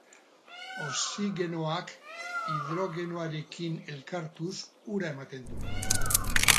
Oxigenoak, hidrogenoarekin elkartuz, ura ematen du.